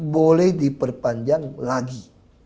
boleh diperpanjang lagi